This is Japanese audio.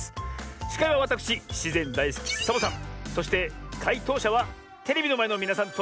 しかいはわたくししぜんだいすきサボさんそしてかいとうしゃはテレビのまえのみなさんといつものおふたりさん！